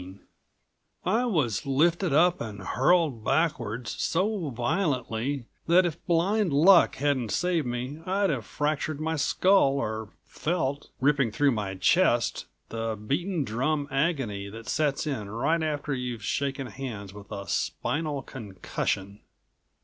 17 I was lifted up and hurled backwards, so violently that if blind luck hadn't saved me I'd have fractured my skull or felt, ripping through my chest, the beaten drum agony that sets in right after you've shaken hands with a spinal concussion.